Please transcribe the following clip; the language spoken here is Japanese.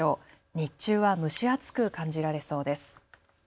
日中は蒸し暑く感じられそうです。